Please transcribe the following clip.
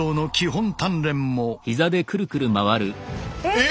えっ！